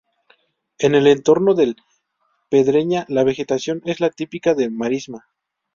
En el entorno de Pedreña la vegetación es la típica de marisma.